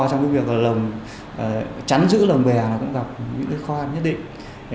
cái việc chắn giữ lồng bè nó cũng gặp những cái khó khăn nhất định